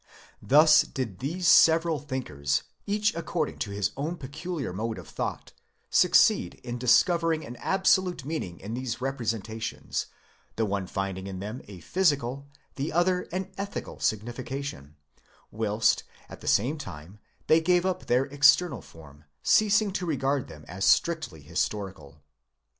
* Thus did these several thinkers, each according to his own peculiar mode of thought, succeed in discovering an absolute meaning in these representations : the one finding in them a physical, the other an ethical signification, whilst, at the same time, they gave up their external form, ceasing to regard them as strictly historical.